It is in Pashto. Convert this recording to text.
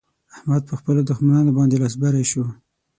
احمد په خپلو دښمانانو باندې لاس بری شو.